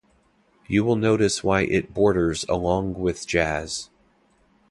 You will notice why it boarders along with Jazz.